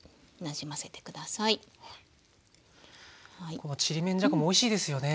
このちりめんじゃこもおいしいですよね。